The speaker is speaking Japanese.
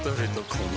この